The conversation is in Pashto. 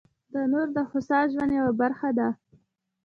تنور د هوسا ژوند یوه برخه ده